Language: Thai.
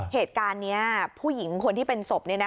เหตุการณ์นี้ผู้หญิงคนที่เป็นศพ